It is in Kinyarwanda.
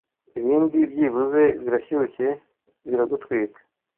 ibindi byibuze birashyushye biragutwika